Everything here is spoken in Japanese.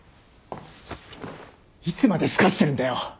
いつまでスカしてるんだよ！